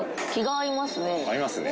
合いますね。